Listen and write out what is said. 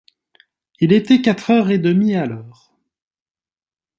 Il était quatre heures et demie alors.